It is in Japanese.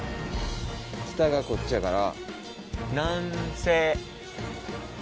北がこっちやから。